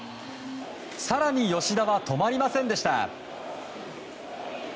更に吉田は止まりませんでした。